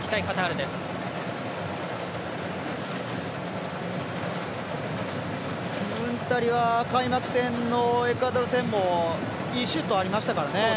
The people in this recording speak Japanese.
ムンタリは開幕戦のエクアドル戦もいいシュートありましたからね。